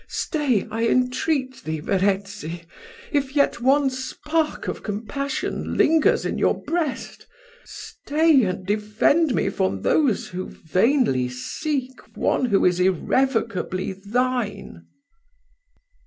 Stay, I entreat thee, Verezzi, if yet one spark of compassion lingers in your breast stay and defend me from those who vainly seek one who is irrevocably thine."